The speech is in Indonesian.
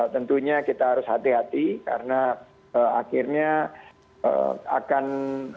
tentunya kita harus hati hati karena akhirnya akan